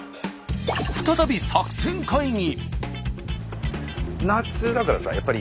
再び作戦会議。